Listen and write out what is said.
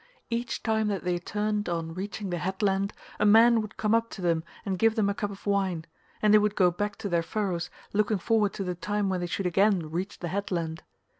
Each time that they turned on reaching the headland a man would come up to them and give them a cup of wine, and they would go back to their furrows looking forward to the time when they should again reach the headland.